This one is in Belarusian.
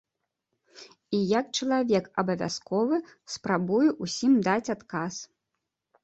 І як чалавек абавязковы, спрабуе ўсім даць адказ.